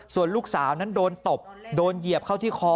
ส่วนลูกสาวนั้นโดนตบโดนเหยียบเข้าที่คอ